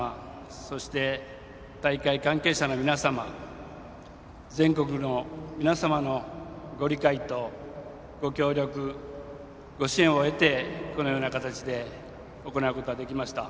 そして、大会関係者の皆様全国の皆さまのご理解とご協力ご支援を得てこのような形で行うことができました。